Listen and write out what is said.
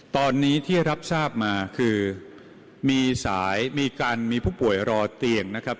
ตอนนี้ที่รับทราบมาคือมีสายมีการมีผู้ป่วยรอเตียงนะครับ